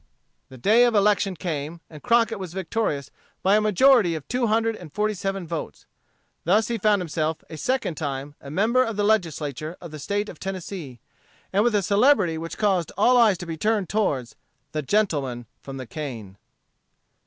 The day of election came, and Crockett was victorious by a majority of two hundred and forty seven votes. Thus he found himself a second time a member of the Legislature of the State of Tennessee, and with a celebrity which caused all eyes to be turned toward "the gentleman from the cane."